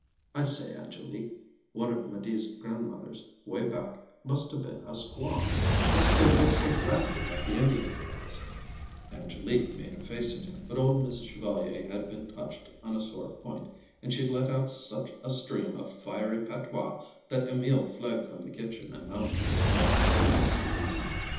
"I say, Angélique, one of 'Médée's grandmothers, 'way back, must have been a squaw. This kid looks exactly like the Indian babies." Angélique made a face at him, but old Mrs. Chevalier had been touched on a sore point, and she let out such a stream of fiery patois that Emil fled from the kitchen and mounted his mare.